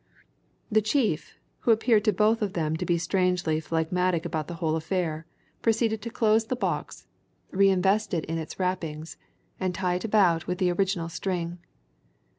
The chief, who appeared to both of them to be strangely phlegmatic about the whole affair, proceeded to close the box, re invest it in its wrappings, and tie it about with the original string.